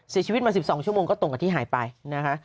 เสียชีวิตมา๑๒ชั่วโมงก็ตรงกับที่หายไปนะคะ